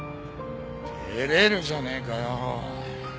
照れるじゃねえかよ。